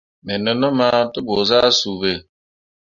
Me nenum ah te ɓu zah suu ɓe.